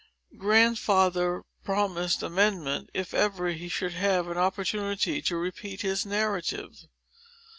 Grandfather promised amendment, if ever he should have an opportunity to repeat his narrative.